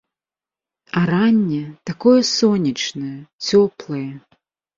А ранне такое сонечнае, цёплае.